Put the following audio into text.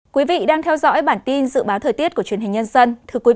quý vị đang theo dõi bản tin dự báo thời tiết của truyền hình nhân dân